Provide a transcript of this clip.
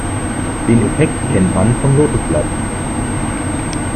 Den Effekt kennt man vom Lotosblatt.